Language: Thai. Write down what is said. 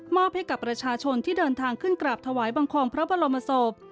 ให้กับประชาชนที่เดินทางขึ้นกราบถวายบังคมพระบรมศพ